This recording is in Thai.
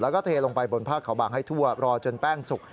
แล้วก็เทลงไปบนภาคเขาบางให้ทั่วรอจนแป้งสุก